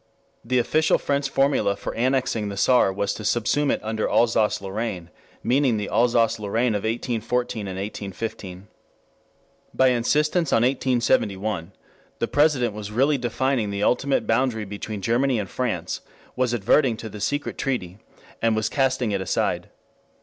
The official French formula for annexing the Saar was to subsume it under "Alsace Lorraine" meaning the Alsace Lorraine of 1814 1815. By insistence on "1871" the President was really defining the ultimate boundary between Germany and France, was adverting to the secret treaty, and was casting it aside.